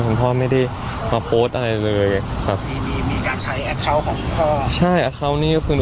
คุณพ่อไม่ได้มาโพสต์อะไรเลยครับมีการใช้ของพ่อใช่นี่ก็คือ